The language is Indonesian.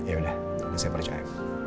ya udah saya percaya